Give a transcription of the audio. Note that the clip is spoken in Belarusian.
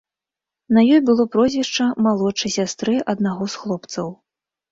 На ёй было прозвішча малодшай сястры аднаго з хлопцаў.